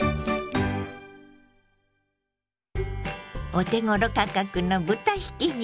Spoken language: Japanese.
お手ごろ価格の豚ひき肉。